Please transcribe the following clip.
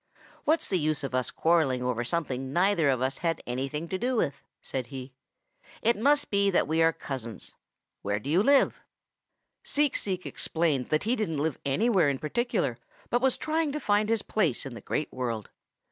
'What's the use of quarreling over something neither of us had anything to do with?' said he. 'It must be that we are cousins. Where do you live?' "Seek Seek explained that he didn't live anywhere in particular but was trying to find his place in the Great World.